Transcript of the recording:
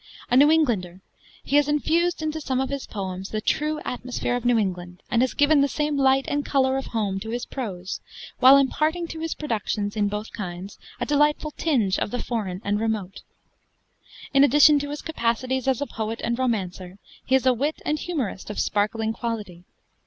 A New Englander, he has infused into some of his poems the true atmosphere of New England, and has given the same light and color of home to his prose, while imparting to his productions in both kinds a delightful tinge of the foreign and remote. In addition to his capacities as a poet and a romancer, he is a wit and humorist of sparkling quality.